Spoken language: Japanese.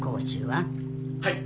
はい。